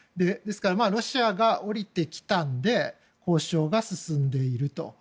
ですからロシアが下りてきたので交渉が進んでいると。